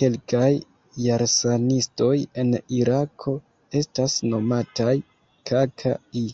Kelkaj Jarsanistoj en Irako estas nomataj "Kaka'i".